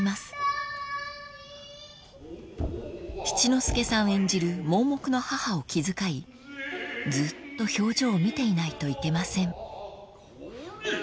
［七之助さん演じる盲目の母を気遣いずっと表情を見ていないといけません］